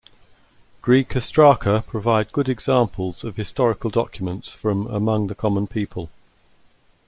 Greek ostraka provide good examples of historical documents from "among the common people".